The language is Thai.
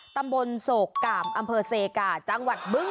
ตำบลโศกร่ามอัมเภอสเซกาจังหวัดเมือง